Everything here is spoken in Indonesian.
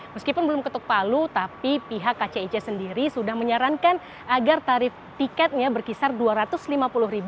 meskipun belum ketuk palu tapi pihak kcic sendiri sudah menyarankan agar tarif tiketnya berkisar rp dua ratus lima puluh